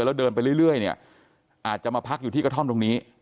แล้วเดินไปเรื่อยเนี่ยอาจจะมาพักอยู่ที่กระท่อมตรงนี้